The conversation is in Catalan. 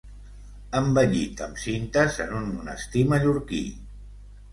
Embellit amb cintes en un monestir mallorquí.